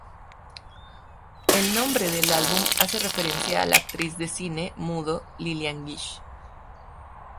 El nombre del álbum hace referencia a la actriz cine mudo Lillian Gish.